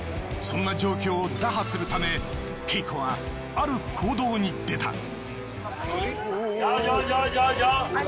そんな状況を打破するためＫＥＩＫＯはある行動に出た。